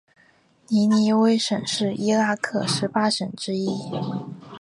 尼尼微省是伊拉克十八省之一。